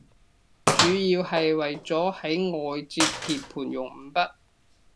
主要係為咗喺外接鍵盤用五筆